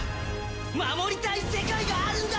守りたい世界があるんだ！